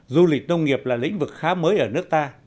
du lịch nông nghiệp là lĩnh vực khá mới ở nước ta